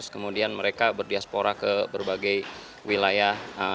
kemudian mereka berdiaspora ke berbagai wilayah